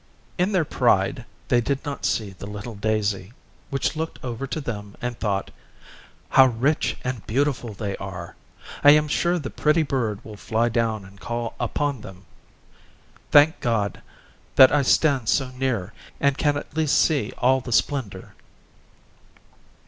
In their pride they did not see the little daisy, which looked over to them and thought, "How rich and beautiful they are! I am sure the pretty bird will fly down and call upon them. Thank God, that I stand so near and can at least see all the splendour."